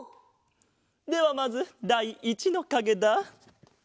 ではまずだい１のかげだ。